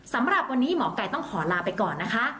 สำหรับวันนี้หมอไก่ต้องขอลาไปก่อนนะคะ